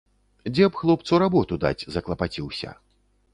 Дзе б хлопцу работу даць заклапаціўся.